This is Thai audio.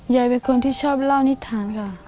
ยายเป็นคนที่ชอบเล่านิษฐานค่ะ